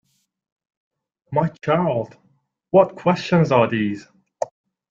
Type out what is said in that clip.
My child, what questions are these!